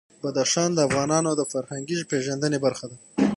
بدخشان د افغانانو د فرهنګي پیژندنې برخه ده.